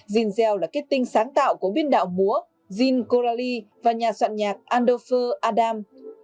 jean gell là kết tinh sáng tạo của biên đạo múa jean coralie và nhà soạn nhạc andorfer adam